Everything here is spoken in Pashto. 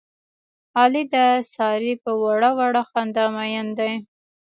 علي د سارې په وړه وړه خندا مین دی.